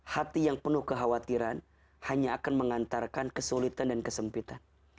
hati yang penuh kekhawatiran hanya akan mengantarkan kesulitan dan kesempitan